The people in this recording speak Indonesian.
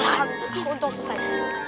alhamdulillah aku untung selesai